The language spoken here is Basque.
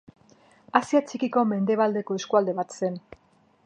Asia Txikiko mendebaldeko eskualde bat zen.